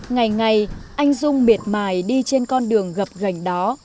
ngày ngày anh dung miệt mài đi trên con đường gập gành đó